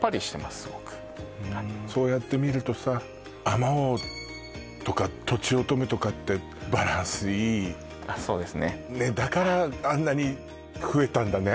すごくふんそうやって見るとさあまおうとかとちおとめとかってバランスいいそうですねねえだからあんなに増えたんだね